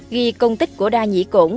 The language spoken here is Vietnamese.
ghi công tích của đa nhĩ cổn